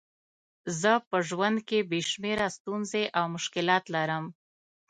زه په ژوند کې بې شمېره ستونزې او مشکلات لرم.